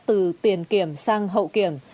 từ tiền kiểm sang hậu kiểm